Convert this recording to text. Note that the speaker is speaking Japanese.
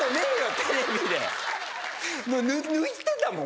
テレビで抜いてたもん